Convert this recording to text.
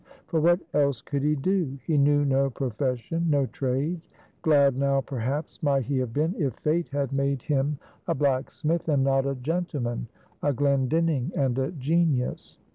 For what else could he do? He knew no profession, no trade. Glad now perhaps might he have been, if Fate had made him a blacksmith, and not a gentleman, a Glendinning, and a genius.